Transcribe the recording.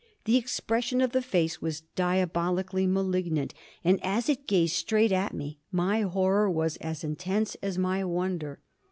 The expression of the face was diabolically malignant, and as it gazed straight at me my horror was as intense as my wonder.